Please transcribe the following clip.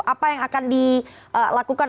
apa yang akan dilakukan